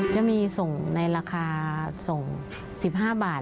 จะมีส่งในราคาส่ง๑๕บาท